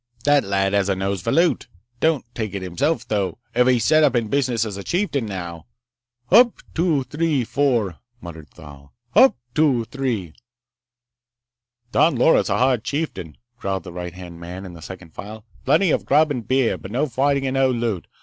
"That lad has a nose for loot! Don't take it himself, though. If he set up in business as a chieftain, now—" "Hup, two, three, four," muttered Thal. "Hup, two, three—" "Don Loris' a hard chieftain," growled the right hand man in the second file. "Plenty of grub and beer, but no fighting and no loot.